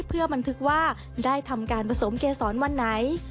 เพื่อบันทึกว่าได้ทำการผสมเกษรวันไหน